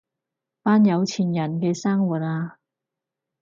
班有錢人嘅生活啊